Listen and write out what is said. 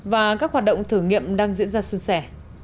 và các hoạt động thử nghiệm đang diễn ra xuân sẻ